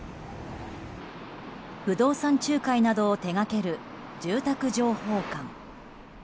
不動産仲介などを手掛ける住宅情報館。